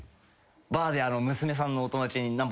バーで娘さんのお友達にナンパ。